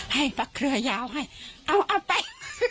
ให้มะเขือยาวให้เอาเอาไป